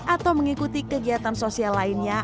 atau mengikuti kegiatan sosial lainnya